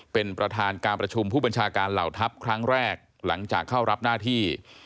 เป็นประธานการประชุมผู้บัญชาการเหล่าทัพครั้งแรกหลังจากเข้ารับหน้าที่